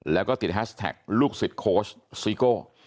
แล้วก็ติดแฮชแท็กลูกศิษย์โค้ชซิโก้